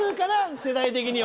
世代的には。